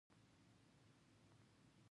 د مرئیتوب نظام تضادونه او سقوط ته اشاره کوو.